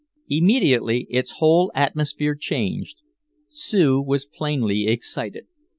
Immediately its whole atmosphere changed. Sue was plainly excited.